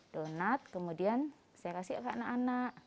donat kemudian saya kasih ke anak anak